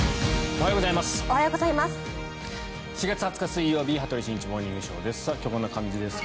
おはようございます。